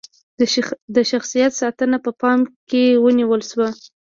د شخصیت ساتنه په پام کې ونیول شوه.